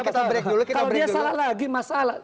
kalau dia salah lagi masalah